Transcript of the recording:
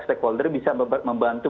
stakeholder bisa membantu